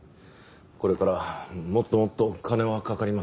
これからもっともっと金はかかりますし。